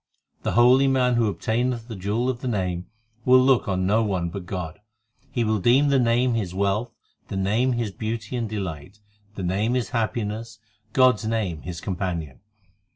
The holy man who obtaineth the jewel of the Name, Will look on no one but God ; He will deem the Name his wealth, the Name his beauty and delight, The Name his happiness, God s name his companion.